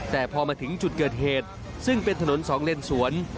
แต่พอมาถึงจุดเกิดเหตุซึ่งเป็นถนนสองเลนสวน